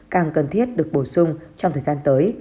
càng cần thiết được bổ sung trong thời gian tới